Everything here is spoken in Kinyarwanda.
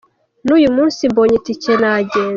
N'uyu munsi mbonye itike nagenda.